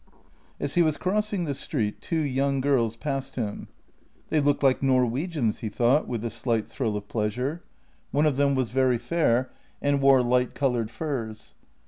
As he was crossing the street two young girls passed him. They looked like Norwegians, he thought, with a slight thrill of pleasure. One of them was very fair and wore light col oured furs.